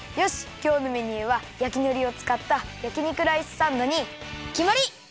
きょうのメニューは焼きのりをつかったやきにくライスサンドにきまり！